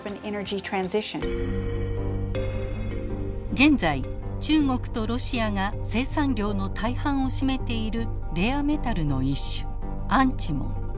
現在中国とロシアが生産量の大半を占めているレアメタルの一種アンチモン。